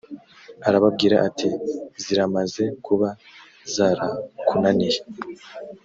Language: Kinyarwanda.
arababwira ati ziramaze kuba zarakunaniye